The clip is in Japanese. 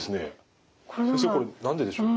先生これ何ででしょう？